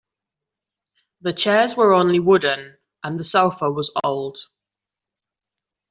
The chairs were only wooden, and the sofa was old.